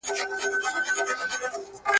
د بازانو د حملو کیسې کېدلې.